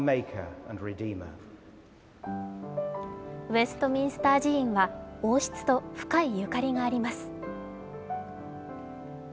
ウェストミンスター寺院は王室と深いゆかりがあります。